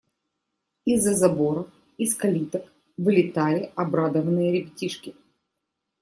Из-за заборов, из калиток вылетали обрадованные ребятишки.